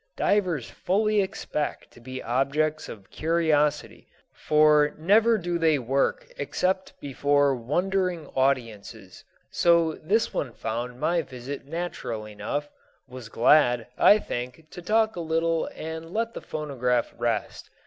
Divers fully expect to be objects of curiosity, for never do they work except before wondering audiences; so this one found my visit natural enough was glad, I think, to talk a little and let the phonograph rest.